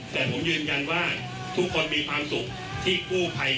แต่ผมยืนยันว่าทุกคนมีความสุข